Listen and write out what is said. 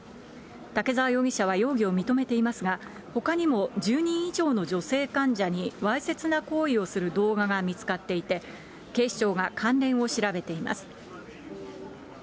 竹沢容疑者は容疑を認めていますが、ほかにも１０人以上の女性患者にわいせつな行為をする動画が見つかっていて、警視庁が関連を調べています。